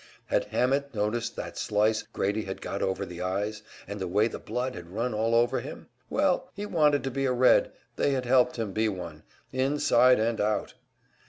Had Hammett noticed that slice Grady had got over the eyes, and the way the blood had run all over him? Well, he wanted to be a Red they had helped him be one inside and out!